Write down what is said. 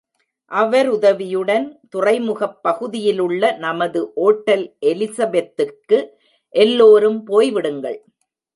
அவர் உதவியுடன் துறைமுகப் பகுதியிலுள்ள நமது ஒட்டல் எலிசபெத்திற்கு எல்லோரும் போய் விடுங்கள்.